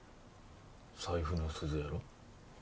財布の鈴やろ